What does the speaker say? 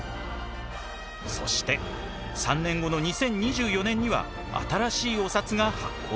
そして３年後の２０２４年には新しいお札が発行される。